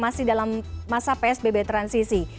masih dalam masa psbb transisi